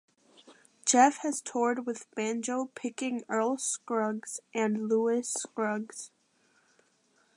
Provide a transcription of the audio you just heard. Jeff has toured with banjo picking Earl Scruggs and Louise Scruggs.